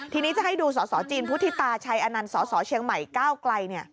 ทีนี้จะให้ดูสสจีนพุทธิตาชัยอนันต์สสเชียงใหม่ก้าวไกล